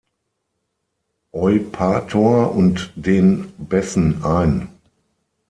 Eupator und den Bessen ein.